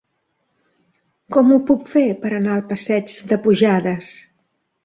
Com ho puc fer per anar al passeig de Pujades?